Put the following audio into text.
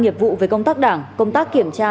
nghiệp vụ về công tác đảng công tác kiểm tra